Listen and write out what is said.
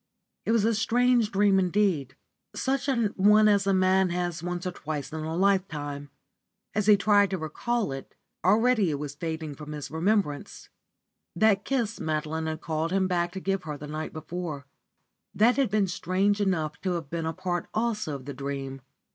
It was a strange dream indeed, such an one as a man has once or twice in a lifetime. As he tried to recall it, already it was fading from his remembrance. That kiss Madeline had called him back to give him the night before; that had been strange enough to have been a part also of the dream.